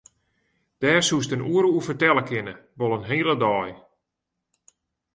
Dêr soest in oere oer fertelle kinne, wol in hele dei.